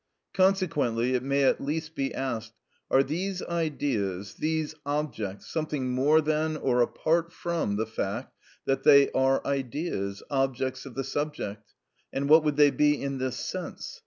Consequently it may at least be asked: Are these ideas, these objects, something more than or apart from the fact that they are ideas, objects of the subject? And what would they be in this sense?